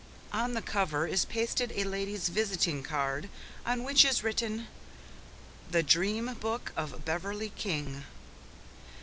On the cover is pasted a lady's visiting card, on which is written, "The Dream Book of Beverley King."